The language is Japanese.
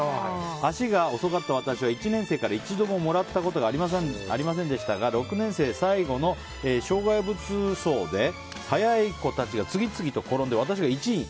足が遅かった私は１年生から一度ももらったことがありませんでしたが６年生最後の障害物走で速い子たちが次々と転んで私が１位に。